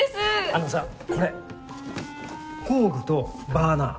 あのさこれ工具とバーナー